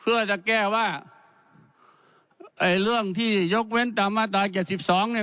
เพื่อจะแก้ว่าไอ้เรื่องที่ยกเว้นตามมาตราเจ็ดสิบสองเนี่ย